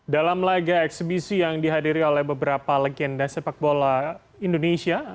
dalam laga eksebisi yang dihadiri oleh beberapa legenda sepak bola indonesia